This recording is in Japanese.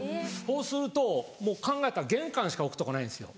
そうするともう考えたら玄関しか置くとこないんですよ。